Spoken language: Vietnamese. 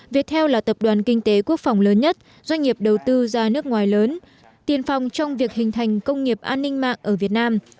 việt theo là tập đoàn kinh tế quốc phòng lớn nhất doanh nghiệp đầu tư ra nước ngoài lớn tiền phòng trong việc hình thành công nghiệp an ninh mạng ở việt nam